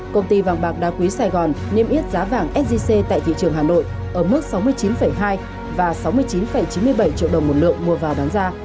công ty vàng bạc đa quý sài gòn niêm yết giá vàng sgc tại thị trường hà nội ở mức sáu mươi chín hai và sáu mươi chín chín mươi bảy triệu đồng một lượng mua vào bán ra